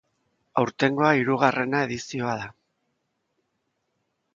Aurtengoa, hirugarrena edizioa da.